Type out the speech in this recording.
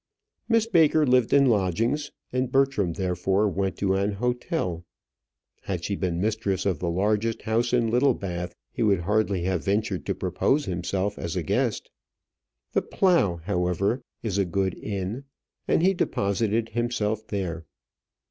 Miss Baker lived in lodgings, and Bertram therefore went to an hotel. Had she been mistress of the largest house in Littlebath, he would hardly have ventured to propose himself as a guest. The "Plough," however, is a good inn, and he deposited himself there.